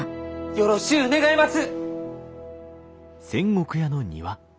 よろしゅう願います！